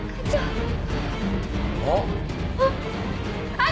あっ。